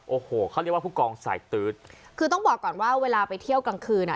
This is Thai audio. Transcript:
โอ้โหเขาเรียกว่าผู้กองสายตื๊ดคือต้องบอกก่อนว่าเวลาไปเที่ยวกลางคืนอ่ะ